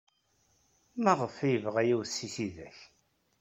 Maɣef ay yebɣa yiwet seg tidak?